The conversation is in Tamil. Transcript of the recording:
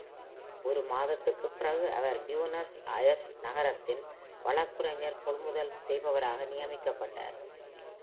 ஒரு மாதத்திற்குப் பிறகு அவர் பியூனஸ் அயர்ஸ் நகரத்தின் வழக்குரைஞர்-கொள்முதல் செய்பவராக நியமிக்கப்பட்டார்.